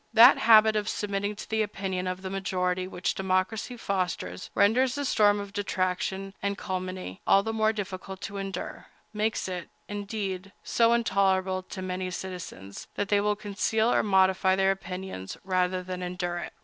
That habit of submitting to the opinion of the majority which democracy fosters renders the storm of detraction and calumny all the more difficult to endure—makes it, indeed, so intolerable to many citizens, that they will conceal or modify their opinions rather than endure it.